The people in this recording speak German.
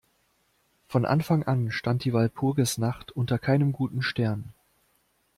Von Anfang an stand die Walpurgisnacht unter keinem guten Stern.